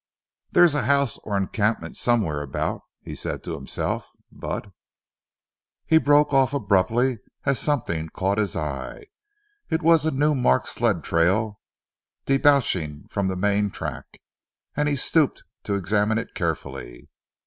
"There's a house or encampment somewhere about," he said to himself, "but " He broke off abruptly as something caught his eye. It was a new marked sled trail debouching from the main track, and he stooped to examine it carefully.